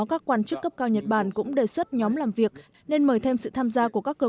các quan chức cấp cao nhật bản cũng đề xuất nhóm làm việc nên mời thêm sự tham gia của các cơ